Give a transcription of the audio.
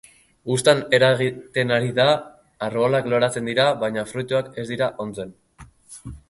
Uztan eragiten ari da: arbolak loratzen dira, baina fruituak ez dira ontzen.